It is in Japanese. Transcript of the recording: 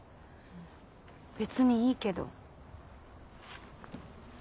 別にいいけど。